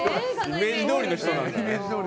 イメージどおりの人なんだな。